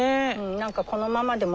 何かこのままでも。